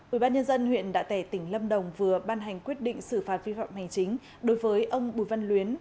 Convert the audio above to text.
ubnd huyện đạ tẻ tỉnh lâm đồng vừa ban hành quyết định xử phạt vi phạm hành chính đối với ông bùi văn luyến